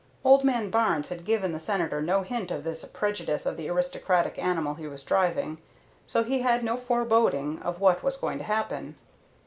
Old man Barnes had given the Senator no hint of this prejudice of the aristocratic animal he was driving, so he had no foreboding of what was going to happen.